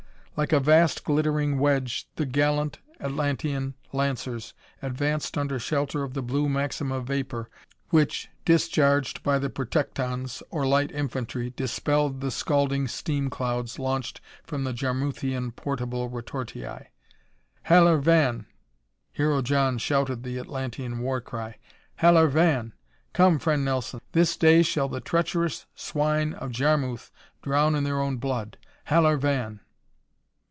Like a vast glittering wedge the gallant Atlantean lancers advanced under shelter of the blue maxima vapor which, discharged by the protectons or light infantry, dispelled the scalding steam clouds launched from the Jarmuthian portable retortii. "Halor vàn!" Hero John shouted the Atlantean war cry. "Halor vàn! Come Friend Nelson, this day shall the treacherous swine of Jarmuth drown in their own blood! Halor vàn!"